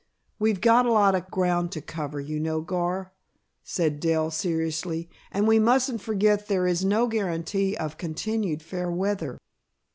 "We've got a lot of ground to cover, you know, Gar," said Dell seriously, "and we mustn't forget there is no guarantee of continued fair weather."